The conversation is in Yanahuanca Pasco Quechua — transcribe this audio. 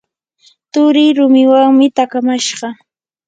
turii rumiwanmi takamashqa.